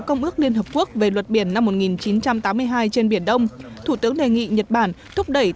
công ước liên hợp quốc về luật biển năm một nghìn chín trăm tám mươi hai trên biển đông thủ tướng đề nghị nhật bản thúc đẩy